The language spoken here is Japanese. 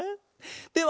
では